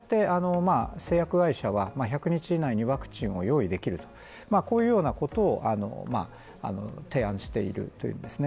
これによって製薬会社は１００日以内にワクチンを用意できるとこういうようなことを提案しているというですね